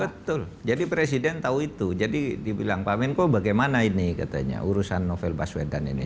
betul jadi presiden tahu itu jadi dibilang pak menko bagaimana ini katanya urusan novel baswedan ini